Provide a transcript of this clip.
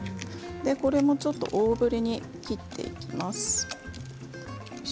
これも、大ぶりに切っていきます。